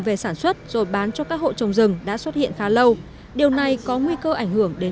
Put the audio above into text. về sản xuất rồi bán cho các hộ trồng rừng đã xuất hiện khá lâu điều này có nguy cơ ảnh hưởng đến